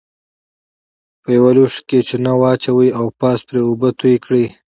په یوه لوښي کې چونه واچوئ او پاسه پرې اوبه توی کړئ.